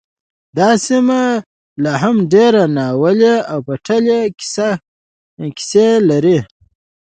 دا سیمه لا هم ډیرې ناوییلې او پټې کیسې لري